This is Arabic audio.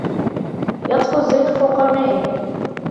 يطفو الزيت فوق الماء.